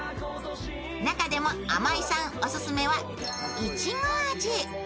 中でも、あまいさんおすすめはいちご味。